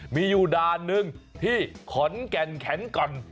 มีอยู่ด่านหนึ่งที่ขอนแก่นแขนก่อน